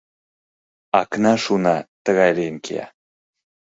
Акнаш уна тыгай лийын кия.